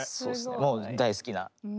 もう大好きな。